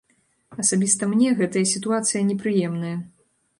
Асабіста мне гэтая сітуацыя непрыемная.